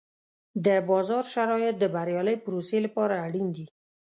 د بازار شرایط د بریالۍ پروسې لپاره اړین دي.